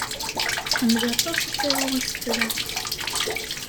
Tḥemmel aṭas ad taru isefra.